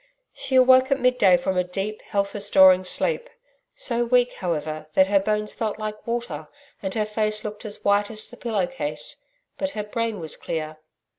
She awoke at mid day from a deep, health restoring sleep, so weak however, that her bones felt like water and her face looked as white as the pillow case. But her brain was clear.